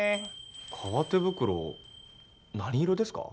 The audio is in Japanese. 革手袋何色ですか？